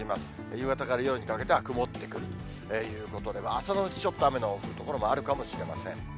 夕方から夜にかけては曇ってくるということで、朝のうちちょっと雨の降る所もあるかもしれません。